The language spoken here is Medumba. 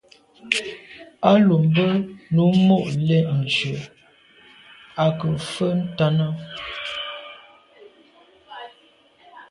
A lo be num mo’ le’njù à nke mfe ntàne.